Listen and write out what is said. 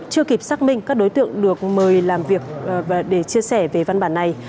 chưa kịp xác minh các đối tượng được mời làm việc để chia sẻ về văn bản này